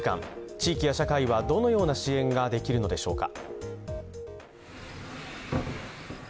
地域や社会はどのような支援ができるのでしょうか。